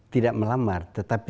tidak melamar tetapi